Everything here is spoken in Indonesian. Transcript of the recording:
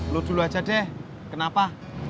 lo dulu aja deh kenapa